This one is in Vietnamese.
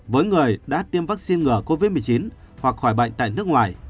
với người đã tiêm vaccine ngừa covid một mươi chín hoặc khỏi bệnh tại nước ngoài